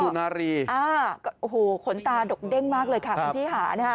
คุณฮารีโอ้โฮขนตาดกเด้งมากเลยค่ะคุณพี่หา